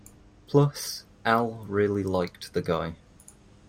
Plus, Al really liked the guy.